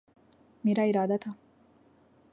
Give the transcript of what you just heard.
میرا ارادہ تھا